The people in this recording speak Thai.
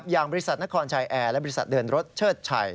อย่างบริษัทนครชายแอร์และบริษัทเดินรถเชิดชัย